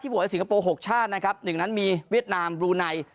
ที่โหแล้วสิงคโปรหกชาตินะครับหนึ่งนั้นมีเวียดนามดูใน